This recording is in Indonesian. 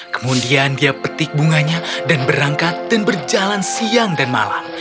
kemudian dia petik bunganya dan berangkat dan berjalan siang dan malam